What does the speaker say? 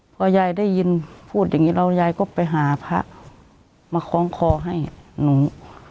พอยายได้ยินพูดอย่างนี้แล้วยายก็ไปหาพระมาคล้องคอให้หนู